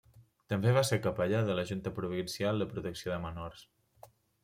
També va ésser capellà de la Junta Provincial de Protecció de Menors.